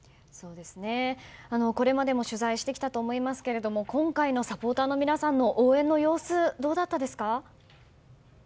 これまでも取材してきたと思いますけれども今回のサポーターの皆さんの応援の様子、どうだったですか？